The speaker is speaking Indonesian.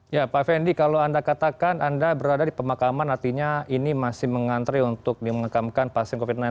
ya pak fendi kalau anda katakan anda berada di pemakaman artinya ini masih mengantri untuk dimenkamkan pasien covid sembilan belas